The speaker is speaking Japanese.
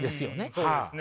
そうですね。